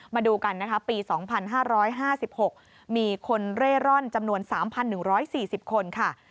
มาดูกันนะคะปี๒๕๕๖มีคนเร่ร่อนจำนวน๓๑๔๐คนค่ะ